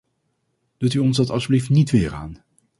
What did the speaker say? Doet u ons dat alstublieft niet weer aan.